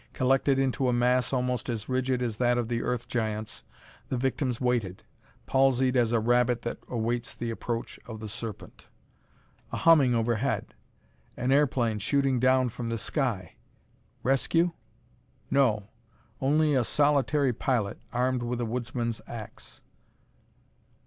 Collected into a mass almost as rigid as that of the Earth Giants, the victims waited, palsied as a rabbit that awaits the approach of the serpent. A humming overhead. An airplane shooting down from the sky. Rescue? No. Only a solitary pilot, armed with a woodsman's ax.